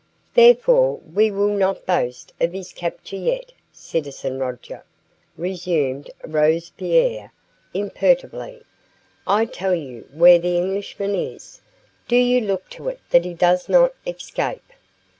"Therefore will we not boast of his capture yet, citizen Roger," resumed Robespierre imperturbably. "I tell you where the Englishman is. Do you look to it that he does not escape."